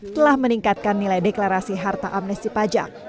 telah meningkatkan nilai deklarasi harta amnesti pajak